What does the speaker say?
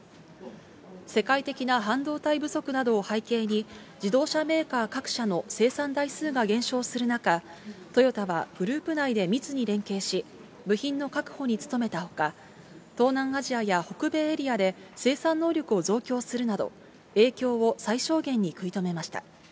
世界的な半導体不足などを背景に、自動車メーカー各社の生産台数が減少する中、トヨタはグループ内で密に連携し、部品の確保に努めたほか、東南アジアや北米エリアで生産能力を増強するなど、影響を最小限に食い止めました。